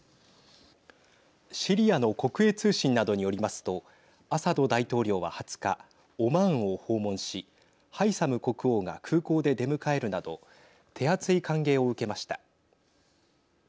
シリアの国営通信などによりますとアサド大統領は２０日オマーンを訪問しハイサム国王が空港で出迎えるなど手厚い歓迎を受けました。